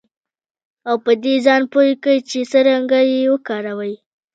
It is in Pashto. او په دې ځان پوه کړئ چې څرنګه یې وکاروئ